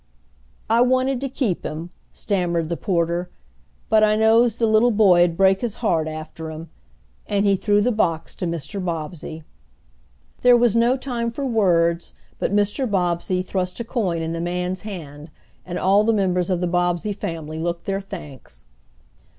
"I wanted to keep him," stammered the porter, "but I knows de little boy 'ud break his heart after him." And he threw the box to Mr. Bobbsey. There was no time for words, but Mr. Bobbsey thrust a coin in the man's hand and all the members of the Bobbsey family looked their thanks.